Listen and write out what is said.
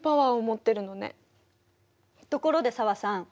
ところで紗和さん